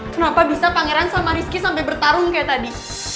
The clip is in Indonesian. kenapa bisa pangeran sama rizky sampai bertarung kayak tadi